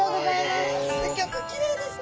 すギョくきれいですね。